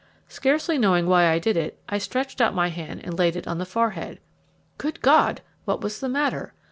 Scarcely knowing why I did it, I stretched out my hand and laid it on the forehead. Good God! what was the matter?